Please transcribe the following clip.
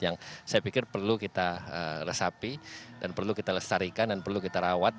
yang saya pikir perlu kita resapi dan perlu kita lestarikan dan perlu kita rawat